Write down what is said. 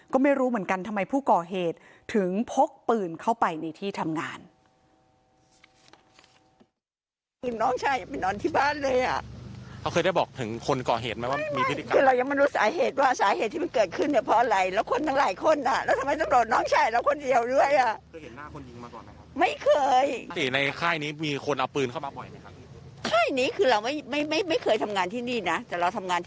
ก็ไม่รู้เหมือนกันทำไมผู้ก่อเหตุถึงพกปืนเข้าไปในที่ทำงาน